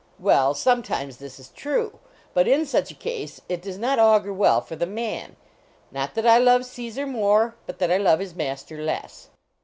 Well, sometimes this is true. But, in such a case, it does not augur well for the man. Not that I love Caesar more, but that I love his master less.